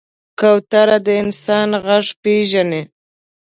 کوتره د انسان غږ پېژني.